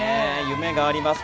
夢があります。